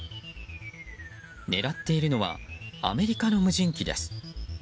狙っているのはアメリカの無人機です。